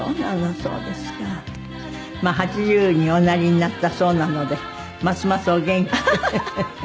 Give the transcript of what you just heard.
８０におなりになったそうなのでますますお元気でフフフフ。